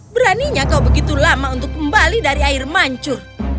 beraninya kau begitu lama untuk kembali dari air mancur